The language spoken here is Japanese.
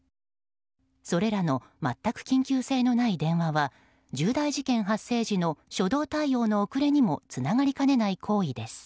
それらの全く緊急性のない電話は重大事件発生時の初動対応の遅れにもつながりかねない行為です。